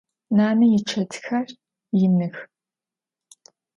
Nane yiçetxer yinıx.